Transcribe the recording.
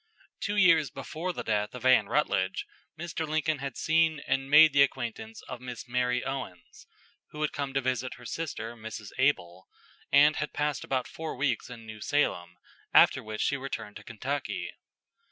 Two years before the death of Anne Rutledge, Mr. Lincoln had seen and made the acquaintance of Miss Mary Owens, who had come to visit her sister Mrs. Able, and had passed about four weeks in New Salem, after which she returned to Kentucky.